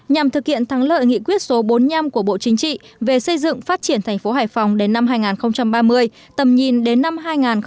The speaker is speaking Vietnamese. nhằm thực hiện thắng lợi nghị quyết số bốn mươi năm của bộ chính trị về xây dựng phát triển thành phố hải phòng đến năm hai nghìn ba mươi tầm nhìn đến năm hai nghìn bốn mươi năm